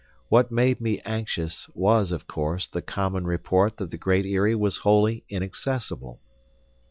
What made me anxious, was, of course, the common report that the Great Eyrie was wholly inaccessible.